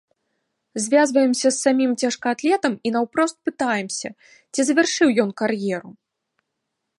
Звязваемся з самім цяжкаатлетам і наўпрост пытаемся, ці завяршыў ён кар'еру.